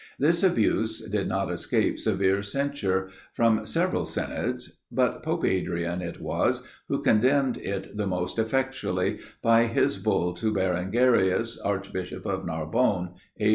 This abuse did not escape severe censure, from several synods. But Pope Adrian, it was, who condemned it the most effectually, by his bull to Berengarius, archbishop of Narbonne, (A.